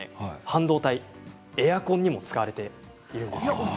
半導体エアコンにも使われているんです。